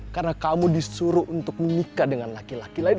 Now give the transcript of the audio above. karena kamu disuruh untuk menikah dengan laki laki lain